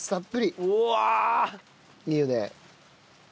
いいよね。